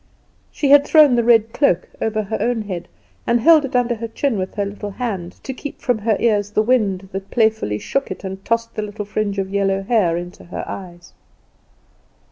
She had thrown the red cloak over her own head, and held it under her chin with a little hand, to keep from her ears the wind, that playfully shook it, and tossed the little fringe of yellow hair into her eyes.